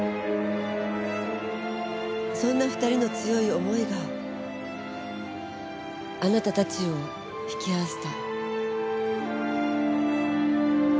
そんな２人の強い思いがあなたたちを引き合わせた。